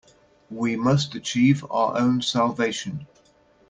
We must achieve our own salvation.